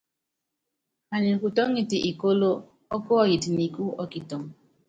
Anyi kutɔ́ŋitɛ ikóló ɔ́kuɔyit nikú ɔ́ kitɔŋ.